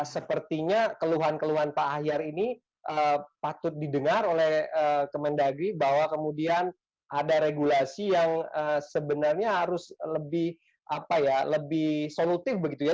sepertinya keluhan keluhan pak ahyar ini patut didengar oleh kemendagri bahwa kemudian ada regulasi yang sebenarnya harus lebih solutif begitu ya